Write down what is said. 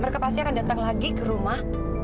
mereka pasti akan datang lagi ke rumah